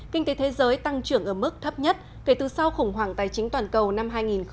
kinh tế thế giới tăng trưởng ở mức thấp nhất kể từ sau khủng hoảng tài chính toàn cầu năm hai nghìn một mươi tám